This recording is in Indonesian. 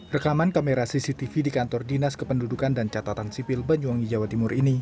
rekaman kamera cctv di kantor dinas kependudukan dan catatan sipil banyuwangi jawa timur ini